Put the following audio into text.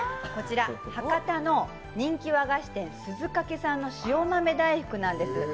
博多の人気和菓子店、鈴懸さんの塩豆大福なんです。